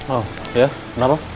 oh iya kenapa